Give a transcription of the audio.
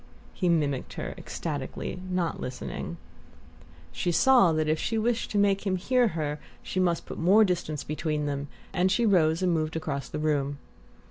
he mimicked her ecstatically, not listening. She saw that if she wished to make him hear her she must put more distance between them, and she rose and moved across the room.